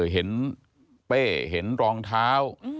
เห็นเป้เห็นรองเท้า